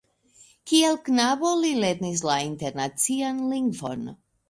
Kiel knabo li lernis la internacian lingvon.